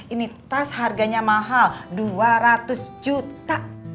ini tas harganya mahal dua ratus juta